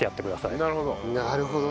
なるほど。